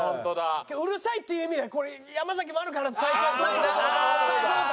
うるさいっていう意味ではこれ山崎もあるかなって最初最初は思った。